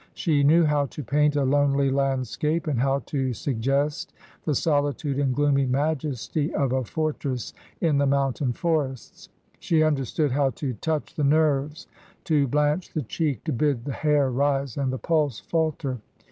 She knew how to paint a lonely landscape, and how to suggest the solitude and gloomy majesty of a fortress in the mountain forests. She understood how to touch 87 Digitized by VjOOQIC HEROINES OF FICTION the nerves, to blanch the cheek, to bid the hair rise and the pulse falter.